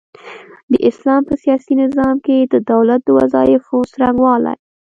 د اسلام په سياسي نظام کي د دولت د وظايفو څرنګوالۍ